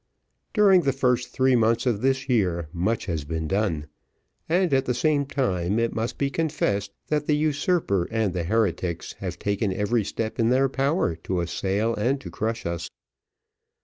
During the first three months of this year, much has been done; and, at the same time, it must be confessed that the usurper and the heretics have taken every step in their power to assail and to crush us.